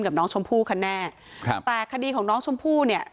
กับน้องชมพู่กันแน่ครับแต่คดีของน้องชมพู่เนี่ย